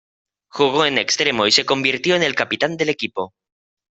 Jugó en extremo y se convirtió en el capitán del equipo.